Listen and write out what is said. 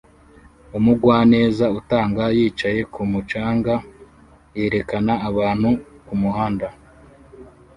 Umugwaneza utanga yicaye kumu canga yerekana abantu kumuhanda